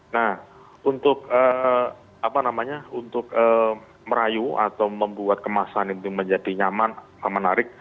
nah untuk apa namanya untuk merayu atau membuat kemasan itu menjadi nyaman atau menarik